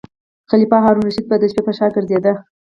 خلیفه هارون الرشید به د شپې په ښار کې ګرځیده.